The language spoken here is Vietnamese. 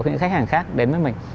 các khách hàng khác đến với mình